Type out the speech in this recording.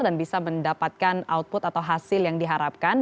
dan bisa mendapatkan output atau hasil yang diharapkan